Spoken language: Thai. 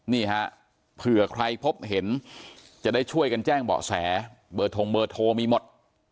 นี่ฮะเผื่อใครพบเห็นจะได้ช่วยกันแจ้งเบาะแสเบอร์ทงเบอร์โทรมีหมด